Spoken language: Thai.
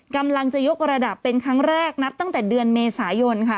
กำลังจะยกระดับเป็นครั้งแรกนับตั้งแต่เดือนเมษายนค่ะ